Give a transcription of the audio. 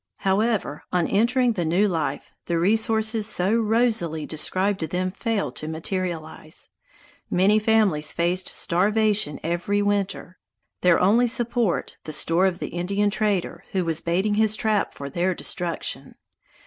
However, on entering the new life, the resources so rosily described to them failed to materialize. Many families faced starvation every winter, their only support the store of the Indian trader, who was baiting his trap for their destruction.